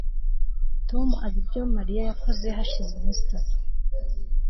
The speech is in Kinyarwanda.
Tom azi ibyo Mariya yakoze hashize iminsi itatu